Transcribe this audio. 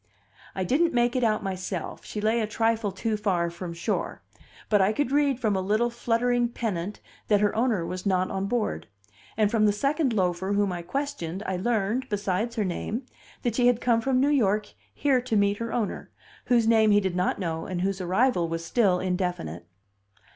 I didn't make it out myself, she lay a trifle too far from shore; but I could read from a little fluttering pennant that her owner was not on board; and from the second loafer whom I questioned I learned, besides her name, that she had come from New York here to meet her owner, whose name he did not know and whose arrival was still indefinite.